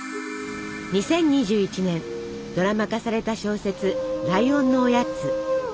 ２０２１年ドラマ化された小説「ライオンのおやつ」。